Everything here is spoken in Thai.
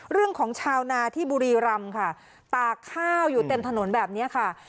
เรื่องของชาวนาที่บุรีรำค่ะตากข้าวอยู่เต็มถนนแบบนี้ค่ะ